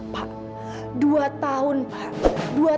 pak dua tahun pak